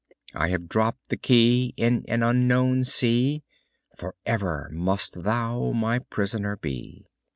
I have dropped the key In an unknown sea. Forever must thou my prisoner be!